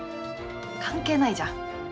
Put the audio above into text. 関係ないじゃん。